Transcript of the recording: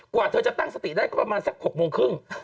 กว่าเธอจะตั้งสติได้ก็ประมาณสัก๖โมงครึ่ง